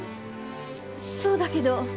そうだけど。